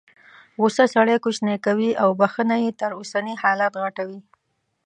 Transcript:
غوسه سړی کوچنی کوي او بخښنه یې تر اوسني حالت غټوي.